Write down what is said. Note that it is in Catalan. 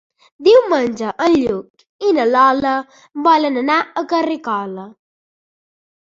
Diumenge en Lluc i na Lola volen anar a Carrícola.